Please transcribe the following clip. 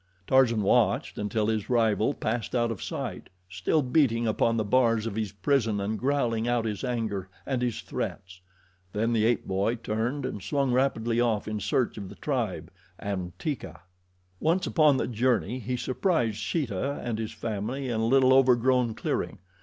Tarzan watched until his rival passed out of sight, still beating upon the bars of his prison and growling out his anger and his threats. Then the ape boy turned and swung rapidly off in search of the tribe, and Teeka. Once, upon the journey, he surprised Sheeta and his family in a little overgrown clearing.